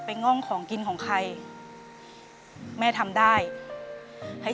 เปลี่ยนเพลงเพลงเก่งของคุณและข้ามผิดได้๑คำ